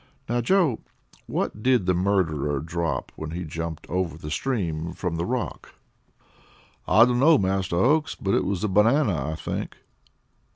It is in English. "Now, Joe, what did the murderer drop when he jumped over the stream from the rock?" "I dunno, Master Oakes but it was a banana, I think."